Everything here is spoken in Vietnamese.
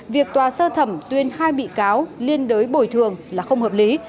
việc tòa sơ thẩm tuyên hai bị cáo liên đới bồi thường là không hợp lý